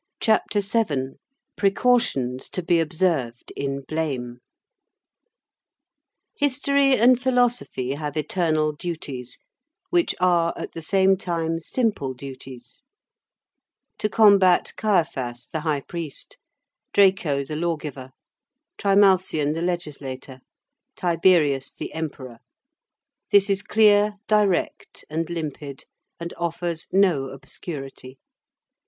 CHAPTER VII—PRECAUTIONS TO BE OBSERVED IN BLAME History and philosophy have eternal duties, which are, at the same time, simple duties; to combat Caiphas the High priest, Draco the Lawgiver, Trimalcion the Legislator, Tiberius the Emperor; this is clear, direct, and limpid, and offers no obscurity.